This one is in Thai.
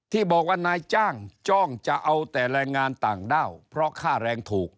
ที่บอกว่านายจ้างจ้องจะเอาแต่แรงงานต่างด้าวเพราะค่าแรงถูก